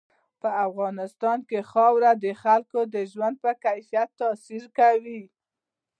په افغانستان کې خاوره د خلکو د ژوند په کیفیت تاثیر کوي.